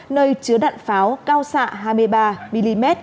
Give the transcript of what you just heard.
nơi chứa đạn pháo cao xạ hai mươi ba mm